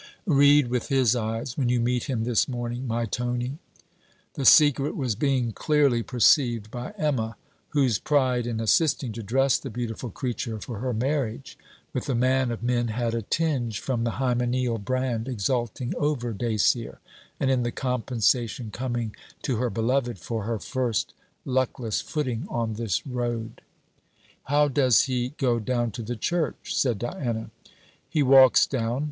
'Read with his eyes when you meet him this morning, my Tony.' The secret was being clearly perceived by Emma, whose pride in assisting to dress the beautiful creature for her marriage with the man of men had a tinge from the hymenaeal brand, exulting over Dacier, and in the compensation coming to her beloved for her first luckless footing on this road. 'How does he go down to the church?' said Diana. 'He walks down.